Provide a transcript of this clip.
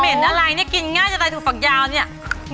เห็นอะไรเนี่ยกินง่ายจะตายถูกฝักยาวเนี่ย